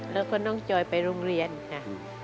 แล้วก็น้องจอยไปโรงเรียนค่ะ